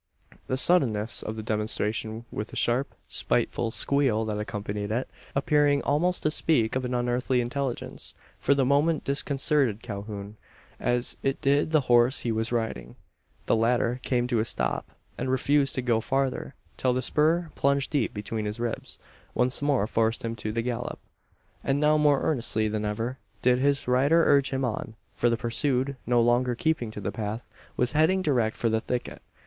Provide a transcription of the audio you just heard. The suddenness of the demonstration, with the sharp, spiteful "squeal" that accompanied it appearing almost to speak of an unearthly intelligence for the moment disconcerted Calhoun; as it did the horse he was riding. The latter came to a stop; and refused to go farther; till the spur, plunged deep between his ribs, once more forced him to the gallop. And now more earnestly than ever did his rider urge him on; for the pursued, no longer keeping to the path, was heading direct for the thicket.